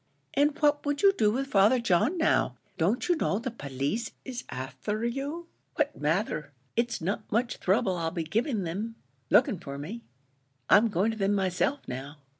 "And what would you do with Father John, now? Don't you know the police is afther you?" "What matther? it's not much throuble I'll be giving thim, looking for me. I'm going to thim myself now."